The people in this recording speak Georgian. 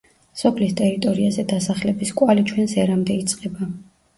სოფლის ტერიტორიაზე დასახლების კვალი ჩვენს ერამდე იწყება.